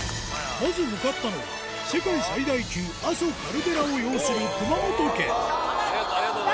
まず向かったのは世界最大級阿蘇カルデラを擁するどうも！